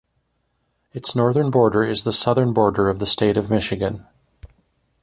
Its northern border is the southern border of the State of Michigan.